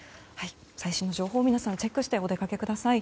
最新の情報を皆さん、チェックしてお出かけください。